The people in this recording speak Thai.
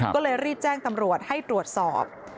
ก็เลยรีบแจ้งตำรวจให้ตรวจสอบ